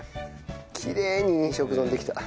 きれいに２色丼できた。